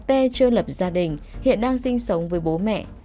tê chưa lập gia đình hiện đang sinh sống với bố mẹ